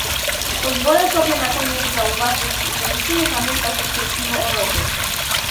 Pozwolę sobie na koniec zauważyć, że musimy pamiętać o strukturze Europy